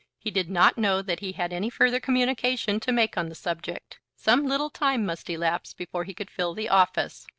"He did not know that he had any further communication to make on the subject. Some little time must elapse before he could fill the office.